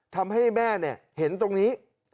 ทำให้แม่เห็นตรงนี้